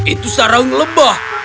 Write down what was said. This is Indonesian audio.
itu sarang lebah